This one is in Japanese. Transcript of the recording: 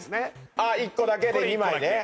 ああ１個だけで２枚ね